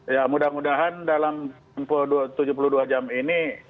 ya mudah mudahan dalam tujuh puluh dua jam ini